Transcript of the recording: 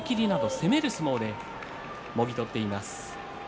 攻める相撲でもぎ取っています。